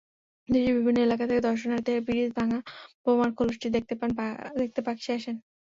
দেশের বিভিন্ন এলাকা থেকে দর্শনার্থীরা ব্রিজ ভাঙা বোমার খোলসটি দেখতে পাকশী আসেন।